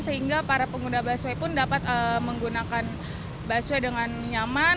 sehingga para pengguna busway pun dapat menggunakan busway dengan nyaman